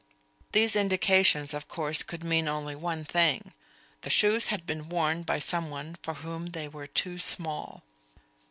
These indications, of course, could mean only one thing. The shoes had been worn by someone for whom they were too small.